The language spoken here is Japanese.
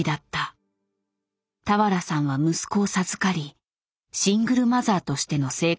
俵さんは息子を授かりシングルマザーとしての生活が始まった。